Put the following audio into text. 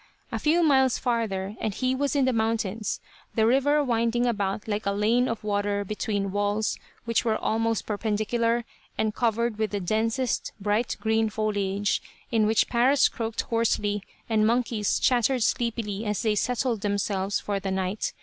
A few miles farther, and he was in the mountains, the river winding about like a lane of water between walls which were almost perpendicular, and covered with the densest, bright green foliage, in which parrots croaked hoarsely and monkeys chattered sleepily as they settled themselves for the night.